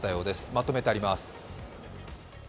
まとめてあります。